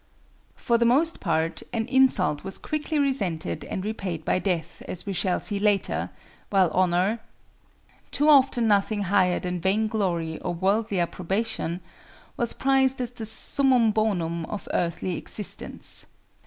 For the most part, an insult was quickly resented and repaid by death, as we shall see later, while Honor—too often nothing higher than vain glory or worldly approbation—was prized as the summum bonum of earthly existence.